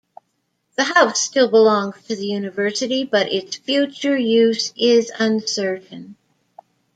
The house still belongs to the University but its future use is uncertain.